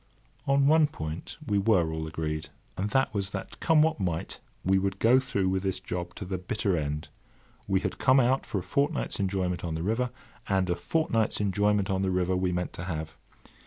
On one point we were all agreed, and that was that, come what might, we would go through with this job to the bitter end. We had come out for a fortnight's enjoyment on the river, and a fortnight's enjoyment on the river we meant to have.